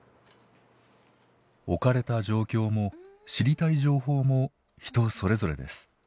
置かれた状況も知りたい情報も人それぞれです。